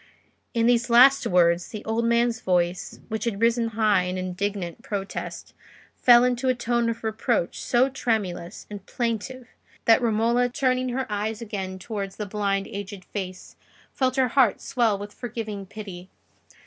In these last words the old man's voice, which had risen high in indignant protest, fell into a tone of reproach so tremulous and plaintive that Romola, turning her eyes again towards the blind aged face, felt her heart swell with forgiving pity.